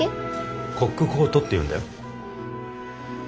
コックコートっていうんだよ。